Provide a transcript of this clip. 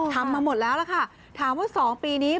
ทำมาหมดแล้วล่ะค่ะถามว่า๒ปีนี้